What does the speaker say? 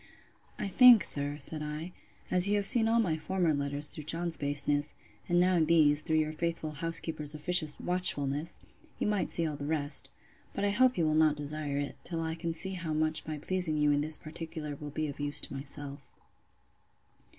I think, sir, said I, as you have seen all my former letters through John's baseness, and now these, through your faithful housekeeper's officious watchfulness, you might see all the rest: But I hope you will not desire it, till I can see how much my pleasing you in this particular will be of use to myself.